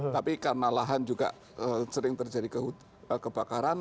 tapi karena lahan juga sering terjadi kebakaran